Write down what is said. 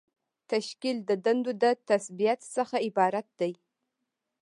تشکیل د دندو د تثبیت څخه عبارت دی.